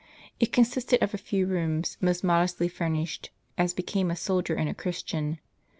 It consisted of a few rooms, most modestly furnished, as became a soldier and a Christian.